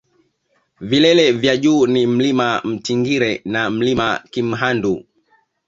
vilele vya juu ni mlima mtingire na mlima kimhandu